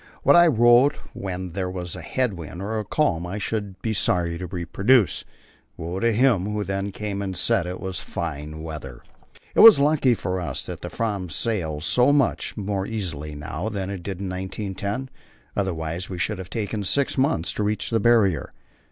What I wrote when there was a head wind or calm, I should be sorry to reproduce. Woe to him who then came and said it was fine weather. It was lucky for us that the Fram sails so much more easily now than in 1910, otherwise we should have taken six months to reach the Barrier.